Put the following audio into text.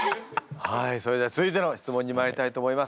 はいそれでは続いての質問にまいりたいと思います。